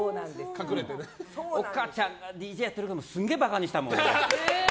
岡ちゃんがＤＪやってることすんげえバカにしたもん。